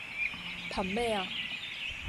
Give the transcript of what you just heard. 憑咩呀?